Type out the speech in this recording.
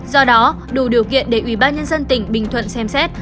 do đó đủ điều kiện để ủy ban nhân dân tỉnh bình thuận xem xét